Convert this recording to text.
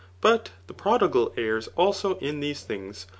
* But the prodigal errs, also, in these things.